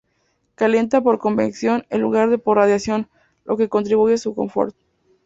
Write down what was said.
Calientan por convección en lugar de por radiación, lo que contribuye a su confort.